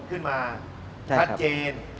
ขึ้นมาชัดเจน